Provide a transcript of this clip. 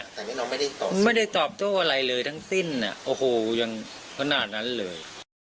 แต่แม่น้องไม่ได้ตอบไม่ได้ตอบโจ๊กอะไรเลยทั้งสิ้นอ่ะโอ้โหยังพนาจนั้นเลย